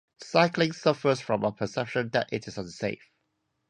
Cycling suffers from a perception that it is unsafe.